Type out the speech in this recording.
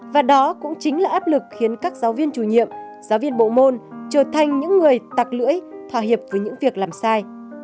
và đó cũng chính là áp lực khiến các giáo viên chủ nhiệm giáo viên bộ môn trở thành những người tặc lưỡi thòa hiệp với những việc làm sai